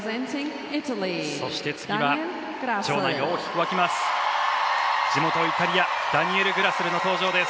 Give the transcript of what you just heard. そして次は場内が大きく沸きます。